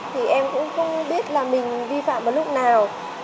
thì em cũng không biết là mình vi phạm một lúc nào